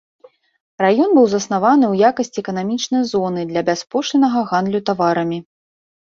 Раён быў заснаваны ў якасці эканамічнай зоны для бяспошліннага гандлю таварамі.